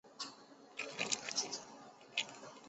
生于江苏南京。